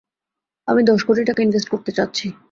আমি দশ কোটি টাকা ইনভেস্ট করতে চাচ্ছি।